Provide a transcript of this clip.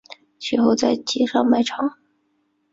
其后在街上卖唱。